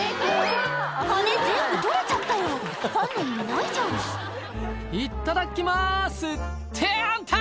羽根全部取れちゃったよファンの意味ないじゃん「いただきます」ってあんた！